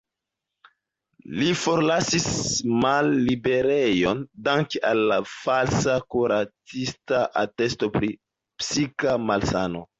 Li forlasis malliberejon danke al falsa kuracista atesto pri psika malsano.